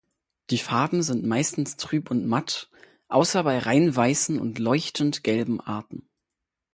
Die Farben sind meistens trüb und matt, außer bei reinweißen und leuchtend gelben Arten.